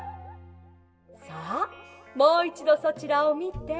さあもういちどそちらをみて。